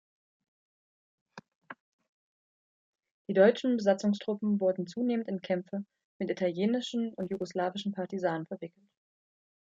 Die deutschen Besatzungstruppen wurden zunehmend in Kämpfe mit italienischen und jugoslawischen Partisanen verwickelt.